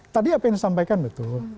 tadi yang aku ingin sampaikan betul